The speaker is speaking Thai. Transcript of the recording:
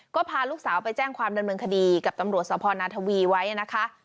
ก็พาลูกสาวไปแจ้งความดำเนินคดีกับตำรวจสพนาทวีไว้นะคะ